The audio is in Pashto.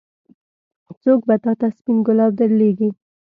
څوک به تا ته سپين ګلاب درلېږي.